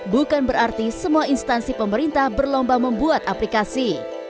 bukan berarti semua instansi pemerintah berlomba membuat aplikasi